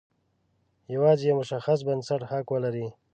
یوازې یو مشخص بنسټ حق ولري.